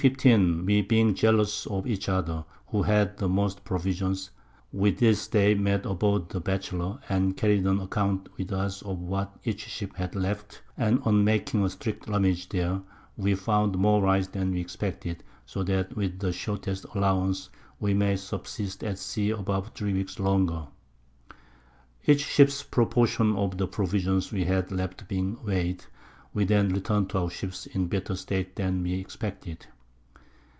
_ We being jealous of each other, who had the most Provisions, we this Day met aboard the Batchelor, and carried an Account with us of what each Ship had left, and on making a strict Rummage there, we found more Rice than we expected; so that with the shortest Allowance we may subsist at Sea above 3 Weeks longer. Each Ship's Proportion of the Provisions we had left being weigh'd, we then return'd to our Ships in a better state than we expected.